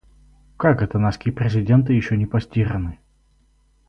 Как это носки президента ещё не постираны?